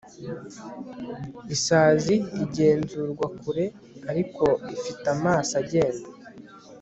isazi igenzurwa kure ariko ifite amaso agenda